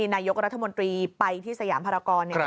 นายกรัฐมนตรีไปที่สยามภารกร